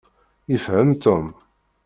Ifehhem Tom.